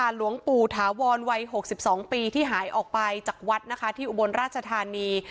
หลวงปู่ถาวรวัย๖๒ปีที่หายออกไปจากวัดนะคะที่อุบลราชธานี